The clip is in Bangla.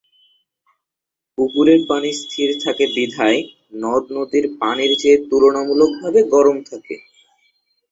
পুকুরের পানি স্থির থাকে বিধায় নদ-নদীর পানির চেয়ে তুলনামূলকভাবে গরম থাকে।